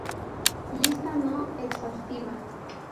Lista no exhaustiva.